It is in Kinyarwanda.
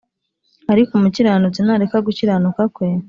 Ariko umukiranutsi nareka gukiranuka kwe